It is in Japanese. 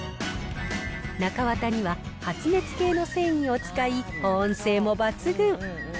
中綿には、発熱系の繊維を使い、保温性も抜群。